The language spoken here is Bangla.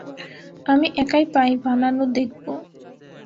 আমি একাই পাই বানানো দেখব।